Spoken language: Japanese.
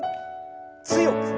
強く。